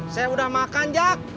saya udah makan jak